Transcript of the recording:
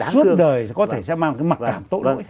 suốt đời có thể sẽ mang một cái mặt cảm tội lỗi